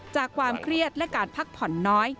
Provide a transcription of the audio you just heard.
ความเครียดและการพักผ่อนน้อย